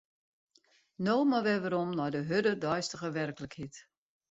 No mar wer werom nei de hurde deistige werklikheid.